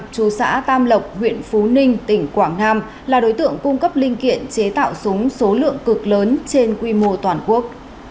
chú xã tam lộc huyện phú ninh tỉnh quảng nam là đối tượng cung cấp linh kiện chế tạo súng số lượng cực lớn trên quy mô toàn quốc